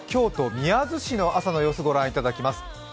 宮津市の朝の様子をご覧いただきます。